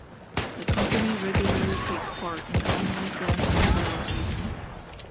The company regularly takes part in the annual Dance Umbrella season.